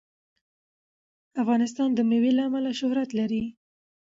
افغانستان د مېوې له امله شهرت لري.